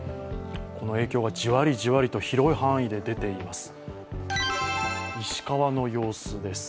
この影響がじわりじわりと広い範囲で出ています。